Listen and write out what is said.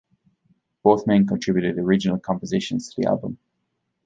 Both men contributed original compositions to the album.